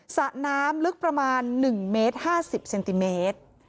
สระน้ำลึกประมาณ๑เมตร๕๐เซนติเมตร